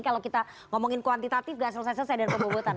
kalau kita ngomongin kuantitatif gak selesai selesai dengan pembobotan